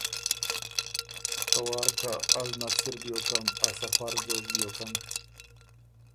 که وار کَۀ از نک سِر بیوکم ا سفر ځوک بیوکم